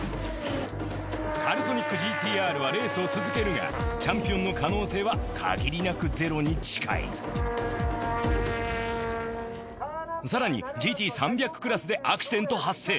カルソニックＧＴ−Ｒはレースを続けるがチャンピオンの可能性は限りなくゼロに近い更にＧＴ３００クラスでアクシデント発生。